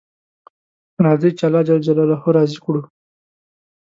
راځئ چې الله جل جلاله راضي کړو